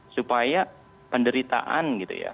supaya penderitaan gitu ya